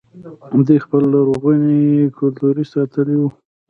دوی خپل لرغونی کلتور ساتلی و